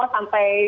sampai